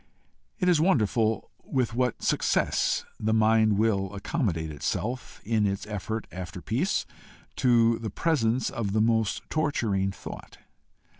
It is wonderful with what success the mind will accommodate itself, in its effort after peace, to the presence of the most torturing thought.